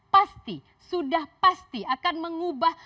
pasti sudah pasti akan mengubah